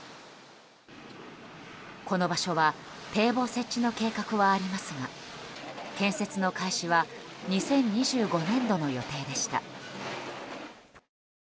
この場所は堤防設置の計画はありますが建設の開始は２０２５年度の予定でした。